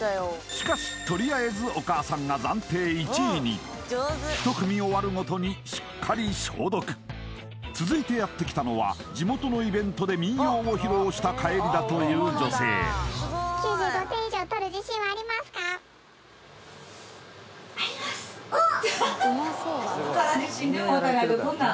しかしとりあえずお母さんが暫定１位に１組終わるごとに続いてやってきたのは地元のイベントで民謡を披露した帰りだという女性おっ！